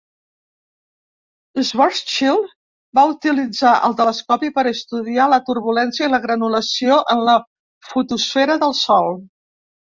Schwarzschild va utilitzar el telescopi per estudiar la turbulència i la granulació en la fotosfera del sol.